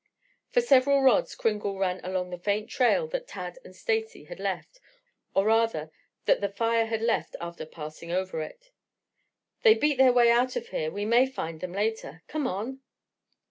For several rods Kringle ran along the faint trail that Tad and Stacy had left, or rather, that the fire had left after passing over it. "They beat their way out here. We may find them later. Come on!"